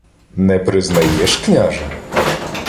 — Не признаєш, княже?